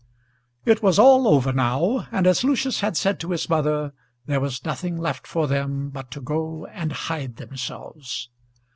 It was all over now, and as Lucius had said to his mother, there was nothing left for them but to go and hide themselves.